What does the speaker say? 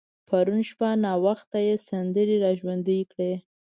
پرون شپه ناوخته يې سندرې را ژوندۍ کړې.